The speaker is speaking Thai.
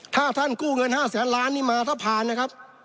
ถ้าท่านกู้เงิน๕แสนล้านนี่มาถ้าผ่านนะครับ